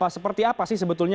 seperti apa sih sebetulnya